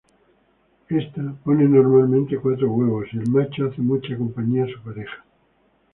Ésta pone normalmente cuatro huevos, y el macho hace mucha compañía a su pareja.